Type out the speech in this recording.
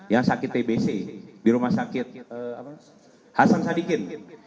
yang sakit tbc di rumah sakit hasan sadikin